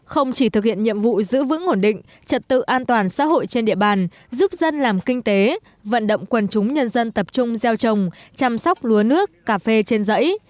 không chỉ thực hiện nhiệm vụ giữ vững ổn định trật tự an toàn xã hội trên địa bàn giúp dân làm kinh tế vận động quần chúng nhân dân tập trung gieo trồng chăm sóc lúa nước cà phê trên giấy